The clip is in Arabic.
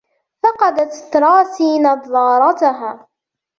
فقدت تراسي نظارتها.